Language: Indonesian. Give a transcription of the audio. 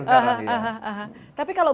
sekarang tapi kalau